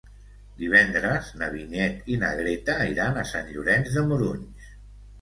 Divendres na Vinyet i na Greta iran a Sant Llorenç de Morunys.